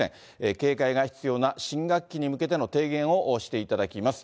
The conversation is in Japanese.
警戒が必要な新学期に向けての提言をしていただきます。